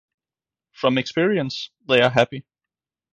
From experience, they are happy